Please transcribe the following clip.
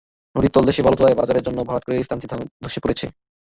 নদীর তলদেশের বালু তোলায় বাজারের জন্য ভরাট করা স্থানটি ধসে পড়ছে।